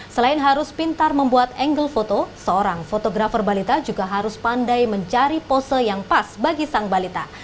selain harus pintar membuat angle foto seorang fotografer balita juga harus pandai mencari pose yang pas bagi sang balita